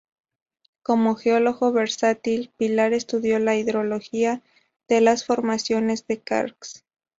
Como geólogo versátil, Pilar estudió la hidrología de las formaciones de karst.